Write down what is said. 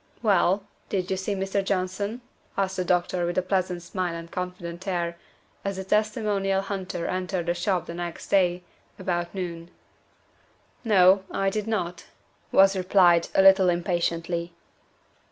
"Well, did you see Mr. Johnson?" asked the doctor with a pleasant smile and confident air, as the testimonial hunter entered his shop on the next day, about noon. "No, I did not," was replied, a little impatiently.